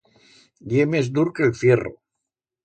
Ye mes dur que el fierro.